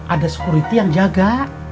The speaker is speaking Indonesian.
ada security yang jaga